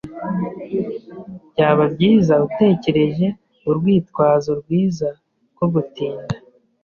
[S] Byaba byiza utekereje urwitwazo rwiza rwo gutinda.